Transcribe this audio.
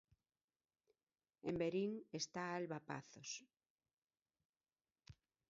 En Verín está Alba Pazos.